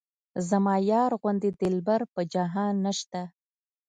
زما یار غوندې دلبر په جهان نشته.